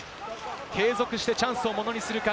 継続してチャンスをものにするか？